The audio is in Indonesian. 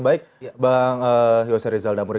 baik bang yosef rizal damuri